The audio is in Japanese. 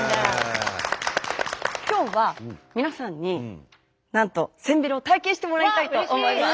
今日は皆さんになんとせんべろを体験してもらいたいと思います。